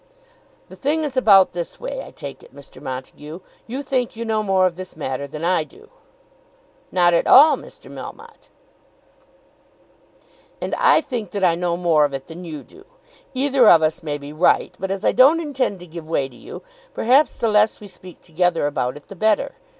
"The thing is about this way, I take it, Mr. Montague; you think you know more of this matter than I do." "Not at all, Mr. Melmotte." "And I think that I know more of it than you do. Either of us may be right. But as I don't intend to give way to you, perhaps the less we speak together about it the better.